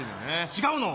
違うの？